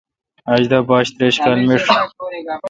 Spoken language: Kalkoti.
آج دا باش تریش کال میݭ